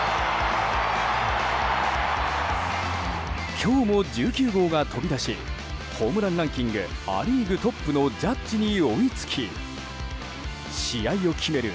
今日も１９号が飛び出しホームランランキングア・リーグトップのジャッジに追いつき試合を決める